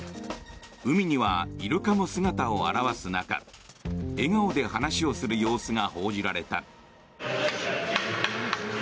海にはイルカも姿を現す中笑顔で話をする様子が報じられた。